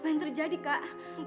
apa yang terjadi kak